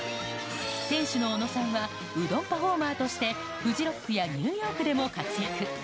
店主の小野さんは、うどんパフォーマーとして、フジロックやニューヨークでも活躍。